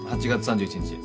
８月３１日。